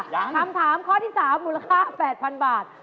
คำถามข้อที่๓มูลค่า๘๐๐๐บาท